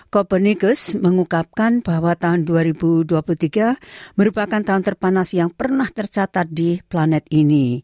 copenikus mengungkapkan bahwa tahun dua ribu dua puluh tiga merupakan tahun terpanas yang pernah tercatat di planet ini